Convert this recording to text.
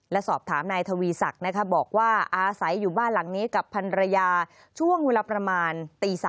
และสอบถามนายทวีศักดิ์บอกว่าอาศัยอยู่บ้านหลังนี้กับพันรยาช่วงเวลาประมาณตี๓